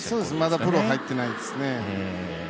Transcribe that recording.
まだプロ入ってないですね。